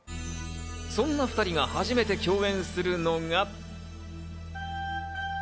そんな２人が初めて共演するのが。